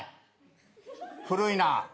古いな。